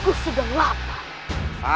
aku sudah lapar